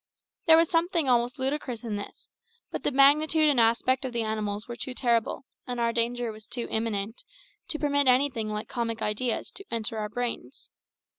There was something almost ludicrous in this, but the magnitude and aspect of the animals were too terrible, and our danger was too imminent, to permit anything like comic ideas to enter our brains.